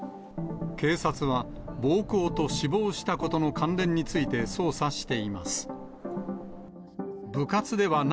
警察は暴行と死亡したことの関連について捜査しています。